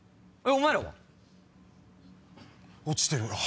お前らは？落ちてるわ。